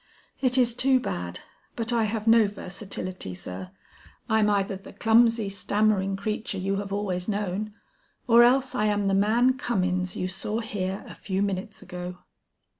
It is too bad, but I have no versatility, sir. I'm either the clumsy, stammering creature you have always known, or else I am the man Cummins you saw here a few minutes ago."